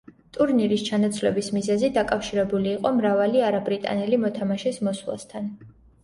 ტურნირის ჩანაცვლების მიზეზი დაკავშირებული იყო მრავალი არაბრიტანელი მოთამაშის მოსვლასთან.